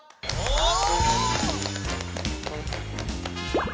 お！